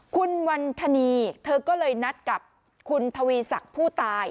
คุณวันธนีเธอก็เลยนัดกับคุณทวีศักดิ์ผู้ตาย